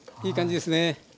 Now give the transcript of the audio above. いい感じですね。